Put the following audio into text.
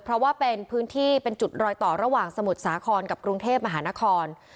เพราะว่าเป็นพื้นที่เป็นจุดรอยต่อระหว่างสมุทรสาครกับกรุงเทพมหานคร